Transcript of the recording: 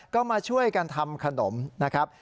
ก็มาช่วยกันทำขนมนะครับ